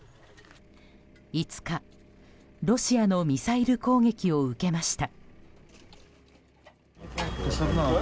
５日、ロシアのミサイル攻撃を受けました。